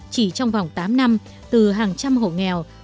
chỉ trong vòng tám năm từ hàng trăm hộ nghèo